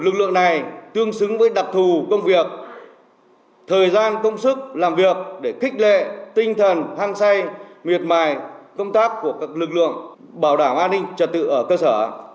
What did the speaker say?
lực lượng này tương xứng với đặc thù công việc thời gian công sức làm việc để kích lệ tinh thần hăng say miệt mài công tác của các lực lượng bảo đảm an ninh trật tự ở cơ sở